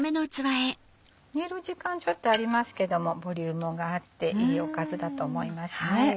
煮る時間ちょっとありますけどもボリュームがあっていいおかずだと思います。